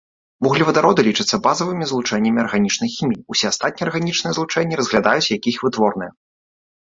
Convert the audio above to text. Вуглевадароды лічацца базавымі злучэннямі арганічнай хіміі, усе астатнія арганічныя злучэнні разглядаюць як іх вытворныя.